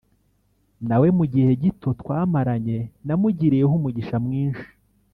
nawe mu gihe gito twamaranye namugiriyeho umugisha mwinshi